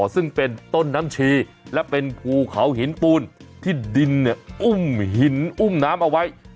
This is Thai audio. ซึ่งเป็นต้นน้ำชีและเป็นภูเขาหินปูนที่ดินเนี่ยอุ้มหินอุ้มน้ำเอาไว้